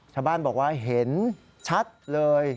ชาวบ้านบอกว่าเห็นชัดเลย